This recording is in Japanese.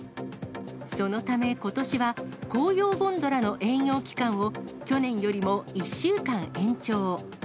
そのため、ことしは紅葉ゴンドラの営業期間を去年よりも１週間延長。